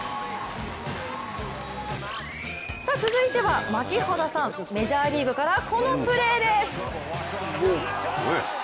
続いては槙原さん、メジャーリーグからこのプレーです。